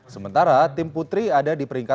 sementara tim olimpiade catur indonesia tidak diperlukan